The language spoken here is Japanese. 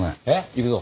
行くぞ。